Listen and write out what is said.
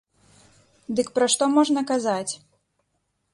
Дык пра што можна казаць?